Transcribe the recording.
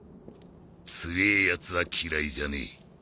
強えやつは嫌いじゃねえ。